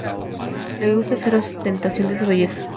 Le gusta hacer ostentación de su belleza.